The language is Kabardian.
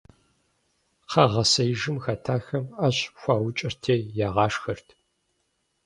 Кхъэгъэсеижым хэтахэм Ӏэщ хуаукӀырти ягъашхэрт.